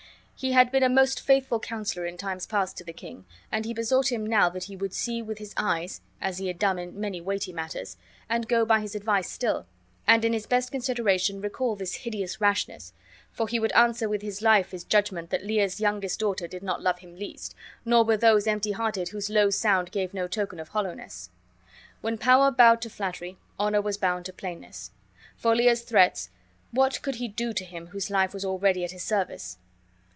He had been a most faithful counselor in times past to the king, and he besought him now that he would see with his eyes (as he had done in many weighty matters) and go by his advice still, and in his best consideration recall this hideous rashness; for he would answer with his life his judgment that Lear's youngest daughter did not love him least, nor were those empty hearted whose low sound gave no token of hollowness. When power bowed to flattery, honor was bound to plainness. For Lear's threats, what could he do to him whose life was already at his service?